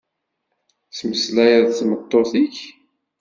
Tmeslayeḍ d tmeṭṭut-ik?